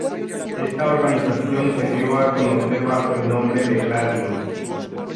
Esta organización se dio a conocer bajo el nombre de Gladio.